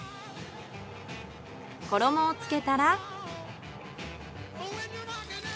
衣をつけたら。